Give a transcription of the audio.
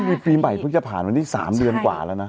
ก็มีปีใหม่กรุ๊กจะผ่านวันนี้๓เดือนกว่าแล้วนะ